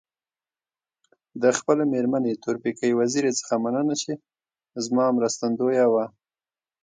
د خپلي مېرمني تورپیکۍ وزيري څخه مننه چي زما مرستندويه وه.